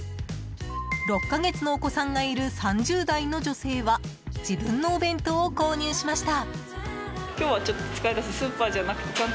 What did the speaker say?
６か月のお子さんがいる３０代の女性は自分のお弁当を購入しました。